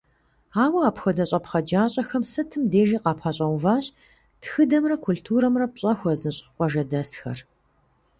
Ауэ апхуэдэ щӀэпхъаджащӀэхэм сытым дежи къапэщӀэуващ тхыдэмрэ культурэмрэ пщӀэ хуэзыщӀ къуажэдэсхэр.